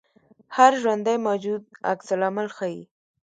هر ژوندی موجود عکس العمل ښيي